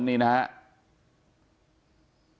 ลำบุทิ์